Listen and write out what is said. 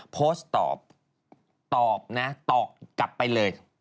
โพสต์ตอบนะตอบกลับไปเลย